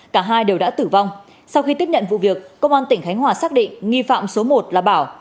cả hai đều đã tử vong sau khi tiếp nhận vụ việc công an tỉnh khánh hòa xác định nghi phạm số một là bảo